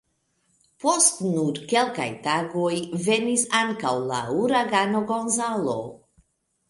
Post nur kelkaj tagoj venis ankaŭ la Uragano Gonzalo.